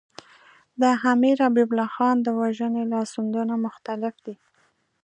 د امیر حبیب الله خان د وژنې لاسوندونه مختلف دي.